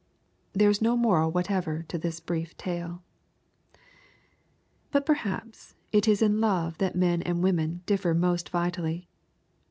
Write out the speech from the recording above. There is no moral whatever to this brief tale. But perhaps it is in love that men and women differ most vitally.